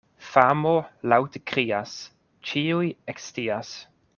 Famo laŭte krias, ĉiuj ekscias.